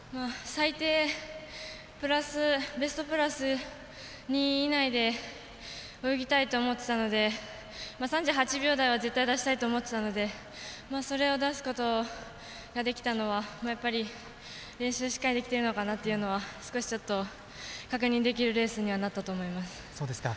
最低、ベストプラス２位以内で泳ぎたいと思っていたので３８秒台は絶対出したいと思っていたのでそれを出すことができたのはやっぱり、練習しっかりできたのかなと少しちょっと、確認できるレースにはなったと思います。